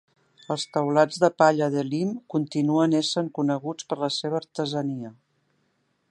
Els teulats de palla d'Elim continuen essent coneguts per la seva artesania.